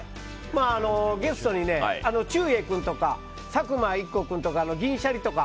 ゲストに、ちゅうえい君とか佐久間一行とか銀シャリとか。